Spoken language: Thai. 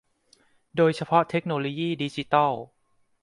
โดยเฉพาะเทคโนโลยีดิจิทัล